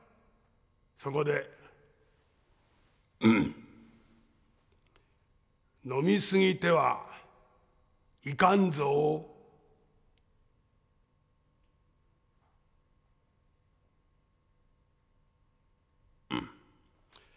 そこで飲みすぎてはいかんぞう